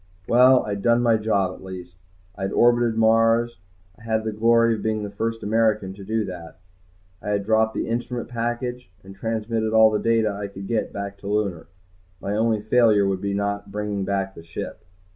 Well, I had done my job at least. I had orbited Mars, I had the glory of being the first American to do that. I had dropped the instrument package and transmitted all the data I could get back to Lunar. My only failure would be in not bringing back the ship.